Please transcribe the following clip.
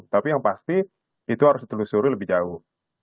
tapi yang pasti itu harus ditelusuri lebih jauh